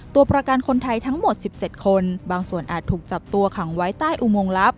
ตัวประกันคนไทยทั้งหมด๑๗คนบางส่วนอาจถูกจับตัวขังไว้ใต้อุโมงลับ